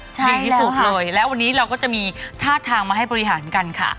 ดีที่สุดเลยแล้ววันนี้เราก็จะมีท่าทางมาให้บริหารกันค่ะ